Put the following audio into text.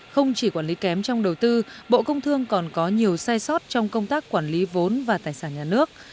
không chỉ quản lý kém trong đầu tư bộ công thương còn có nhiều sai sót trong công tác quản lý vốn và tài sản nhà nước